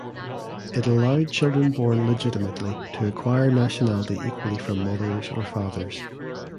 It allowed children born legitimately to acquire nationality equally from mothers or fathers.